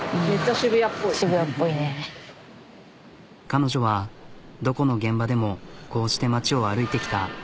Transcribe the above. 彼女はどこの現場でもこうして街を歩いてきた。